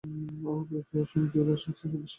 উপরিউক্ত দলসহ কিউবা এ সংস্থার সদস্য ছিল।